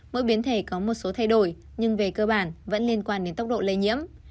mỗi biến thể có một số thay đổi nhưng về cơ bản vẫn liên quan đến tốc độ lây nhiễm